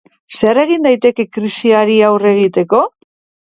Zer egin daiteke krisiari aurre egiteko?